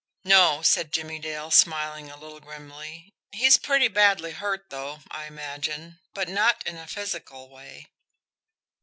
"No," said Jimmie Dale, smiling a little grimly. "He's pretty badly hurt, though, I imagine but not in a physical way."